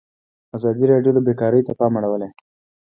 ازادي راډیو د بیکاري ته پام اړولی.